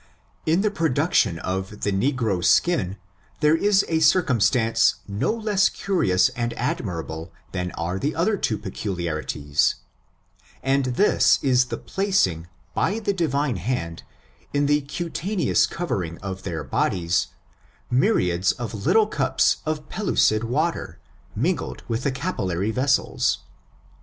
In the production of the negro's skin, there is a circumstance no less curious and admirable than are the other two peculiarities; and this is the placing, by the Divine hand, in the cutaneous covering of their bodies, myriads of little cups of pellucid water mingled with the capillary vessels.